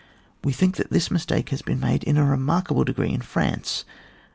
We think that this mistake has been made in a remarkable degree in France.